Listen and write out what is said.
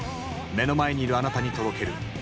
目の前にいるあなたに届ける。